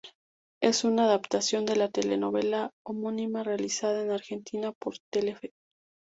Es una adaptación de la telenovela homónima realizada en Argentina por Telefe.